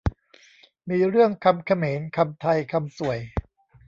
มีเรื่องคำเขมร คำไทย คำส่วย